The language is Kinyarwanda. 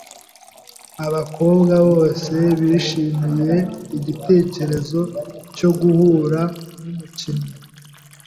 Abakobwa bose bishimiye igitekerezo cyo guhura n'umukinnyi.